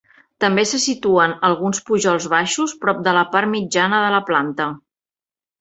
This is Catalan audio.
També se situen alguns pujols baixos prop de la part mitjana de la planta.